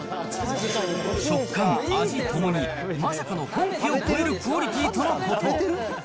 食感、味ともに、まさかの本家を超えるクオリティーとのこと。